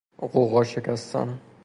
غوغا شکستن